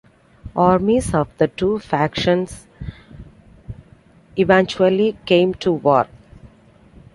Armies of the two factions eventually came to war.